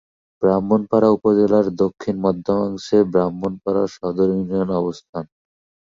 ব্রাহ্মণপাড়া উপজেলার দক্ষিণ-মধ্যাংশে ব্রাহ্মণপাড়া সদর ইউনিয়নের অবস্থান।